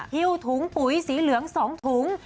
ฮิ้วถุงปุ๋ยสีเหลือง๒ถุง